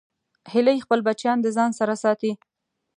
هیلۍ خپل بچیان د ځان سره ساتي